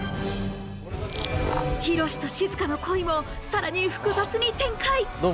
ヒロシとしずかの恋も更に複雑に展開